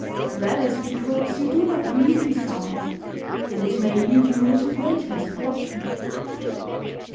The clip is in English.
That is because you do not reason soundly and it may lead you into great misfortune.